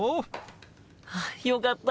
あっよかった！